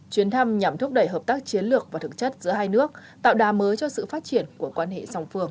chuyến thăm nhằm thúc đẩy hợp tác chiến lược và thực chất giữa hai nước tạo đà mới cho sự phát triển của quan hệ song phương